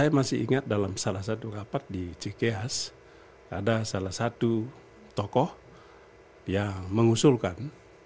saya masih ingat dalam salah satu rapat di cikeas ada salah satu tokoh yang mengusulkan